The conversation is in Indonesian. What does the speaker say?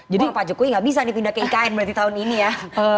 wah pak jokowi nggak bisa dipindah ke ikn berarti tahun ini ya